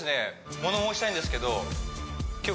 物申したいんですけど今日